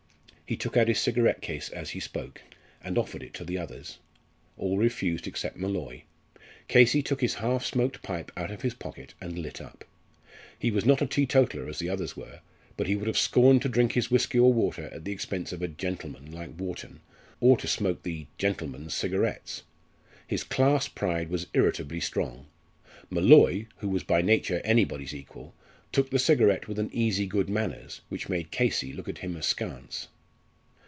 He took out his cigarette case as he spoke, and offered it to the others. All refused except Molloy. Casey took his half smoked pipe out of his pocket and lit up. He was not a teetotaler as the others were, but he would have scorned to drink his whisky and water at the expense of a "gentleman" like Wharton, or to smoke the "gentleman's" cigarettes. His class pride was irritably strong. Molloy, who was by nature anybody's equal, took the cigarette with an easy good manners, which made Casey look at him askance.